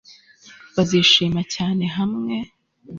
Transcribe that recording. bazishima cyane hamwe